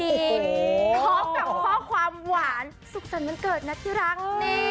พร้อมกับข้อความหวานสุขสรรค์วันเกิดนะที่รัก